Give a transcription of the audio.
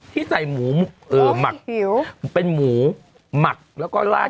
ที่ใส่หมูหมักหิวเป็นหมูหมักแล้วก็ลาด